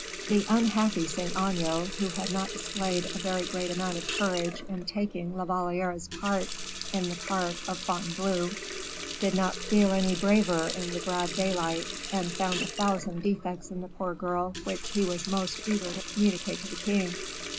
The unhappy Saint Aignan, who had not displayed a very great amount of courage in taking La Valliere's part in the park of Fontainebleau, did not feel any braver in the broad day light, and found a thousand defects in the poor girl which he was most eager to communicate to the king.